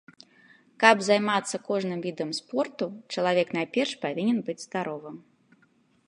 Каб займацца кожным відам спорту, чалавек найперш павінен быць здаровым.